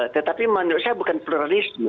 tetapi menurut saya bukan pluralisme